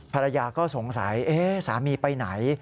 ภรรยาก็สงสัยสามีไปไหน